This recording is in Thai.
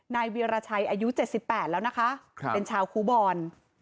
นายเวียรชัยอายุ๗๘แล้วนะคะเป็นชาวคูบอล